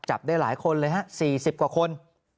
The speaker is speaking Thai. จับได้หลายคนเลยฮะ๔๐กว่าคน